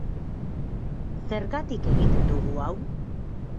Zergatik egiten dugu hau?